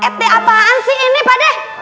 eh pak deh apaan sih ini pak deh